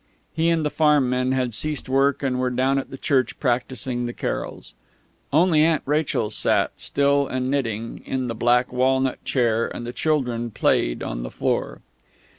He and the farm men had ceased work, and were down at the church, practising the carols. Only Aunt Rachel sat, still and knitting, in the black walnut chair; and the children played on the floor.